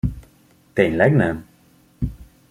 Tényleg nem?